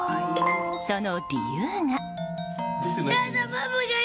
その理由が。